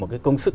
một cái công sức